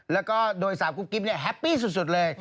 แล้วก็โดยสาวกุ๊กกิ๊บเนี่ยแฮปปี้สุดเลย